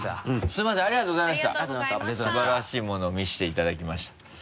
素晴らしいものを見せていただきました。